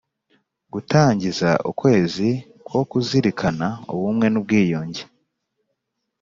Gutangiza ukwezi ko kuzirikana ubumwe n ubwiyunge